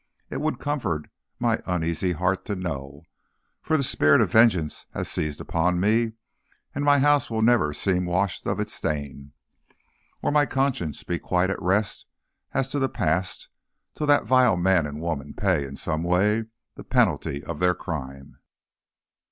It would comfort my uneasy heart to know; for the spirit of vengeance has seized upon me, and my house will never seem washed of its stain, or my conscience be quite at rest as to the past, till that vile man and woman pay, in some way, the penalty of their crime.